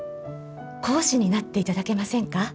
講師になっていただけませんか？